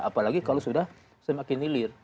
apalagi kalau sudah semakin hilir